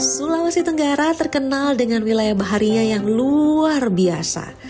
sulawesi tenggara terkenal dengan wilayah baharinya yang luar biasa